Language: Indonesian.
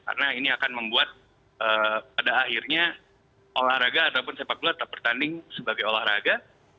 karena ini akan membuat pada akhirnya olahraga ataupun sepak bola tetap bertanding sebagai olahraga